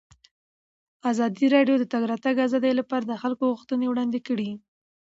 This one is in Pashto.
ازادي راډیو د د تګ راتګ ازادي لپاره د خلکو غوښتنې وړاندې کړي.